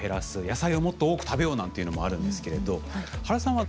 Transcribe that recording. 野菜をもっと多く食べようなんていうのもあるんですけれど原さんは？